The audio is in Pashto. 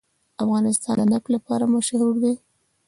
افغانستان د نفت لپاره مشهور دی.